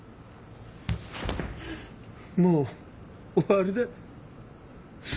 もう終わりだ。